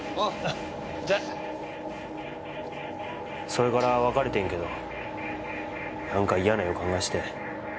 それから別れてんけど何か嫌な予感がして。